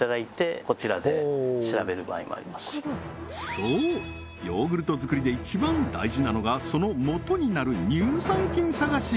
そうヨーグルト作りで一番大事なのがそのもとになる乳酸菌探し